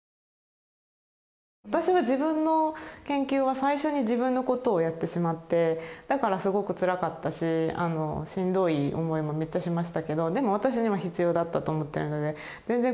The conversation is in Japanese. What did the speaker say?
私は自分の研究は最初に自分のことをやってしまってだからすごくつらかったししんどい思いもめっちゃしましたけどでも私には必要だったと思ってるので全然後悔はしてないですけど。